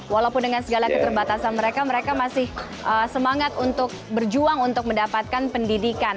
walaupun dengan segala keterbatasan mereka mereka masih semangat untuk berjuang untuk mendapatkan pendidikan